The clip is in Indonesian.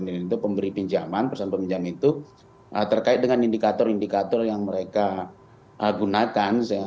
jadi itu pemberi pinjaman persaingan peminjam itu terkait dengan indikator indikator yang mereka gunakan